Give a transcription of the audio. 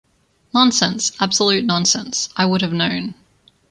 Nonsense, absolute nonsense: I would have known.